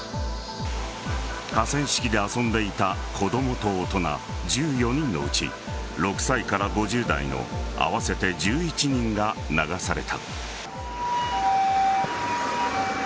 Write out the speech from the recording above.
河川敷で遊んでいた子供と大人１４人のうち６歳から５０代の合わせて１１人が流された。